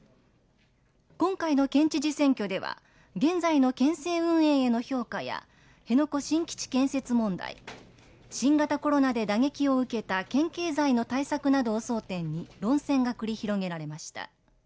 今回の県知事選挙では現在の県政運営への評価や辺野古新基地建設問題新型コロナで打撃を受けた県経済の対策などを争点に論戦が繰り広げられました。